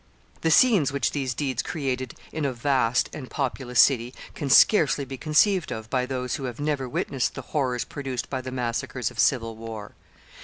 The scenes which these deeds created in a vast and populous city can scarcely be conceived of by those who have never witnessed the horrors produced by the massacres of civil war.